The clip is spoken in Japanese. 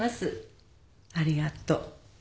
ありがとう。